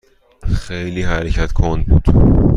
خیلی حرکت کند بود.